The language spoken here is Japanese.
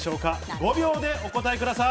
５秒でお答えください。